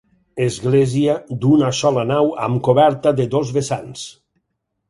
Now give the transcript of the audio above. Església d'una sola nau amb coberta a dos vessants.